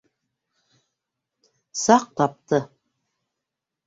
Саҡ тапты.